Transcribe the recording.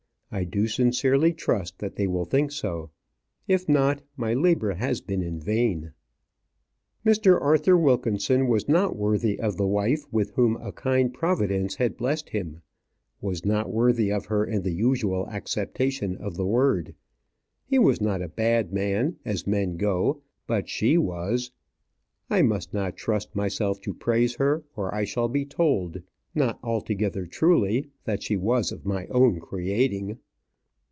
I do sincerely trust that they will think so. If not, my labour has been in vain. Mr. Arthur Wilkinson was not worthy of the wife with whom a kind Providence had blessed him was not worthy of her in the usual acceptation of the word. He was not a bad man, as men go; but she was . I must not trust myself to praise her, or I shall be told, not altogether truly, that she was of my own creating.